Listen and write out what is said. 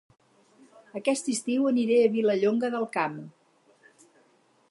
Aquest estiu aniré a Vilallonga del Camp